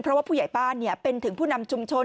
เพราะว่าผู้ใหญ่บ้านเป็นถึงผู้นำชุมชน